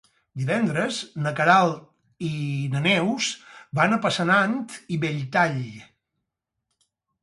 Divendres na Queralt i na Neus van a Passanant i Belltall.